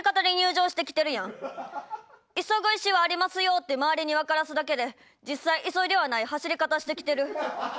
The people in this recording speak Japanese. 急ぐ意志はありますよって周りに分からすだけで実際急いではない走り方してきてる。